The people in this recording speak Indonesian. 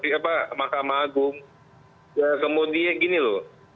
ya kemudian gini loh